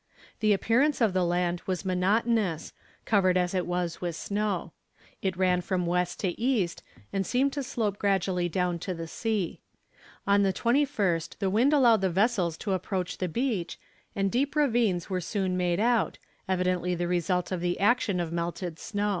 The appearance of the land was monotonous, covered as it was with snow. It ran from west to east, and seemed to slope gradually down to the sea. On the 21st the wind allowed the vessels to approach the beach, and deep ravines were soon made out, evidently the result of the action of melted snow.